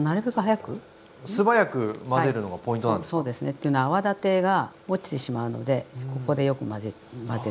っていうのは泡立てがおちてしまうのでここでよく混ぜるでしょ。